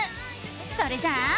それじゃあ。